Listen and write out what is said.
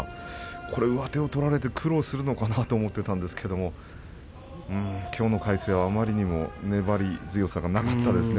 上手を取られて苦労するのかなと思っていたんですがきょうの魁聖は、あまりにも粘り強さがありませんでしたね。